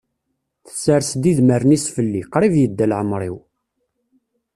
Tessers-d idmaren-is fell-i, qrib yedda laɛmer-iw.